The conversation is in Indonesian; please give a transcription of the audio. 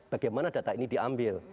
bagaimana data ini diambil